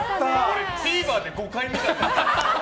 ＴＶｅｒで５回見た。